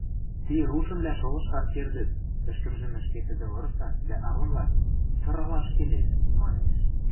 Ти рушынвлӓ шолыштат кердӹт, – ӹшкӹмжӹм ӹшке тӹдӹ вырса дӓ Аронлан: – Сыралаш келеш! – манеш.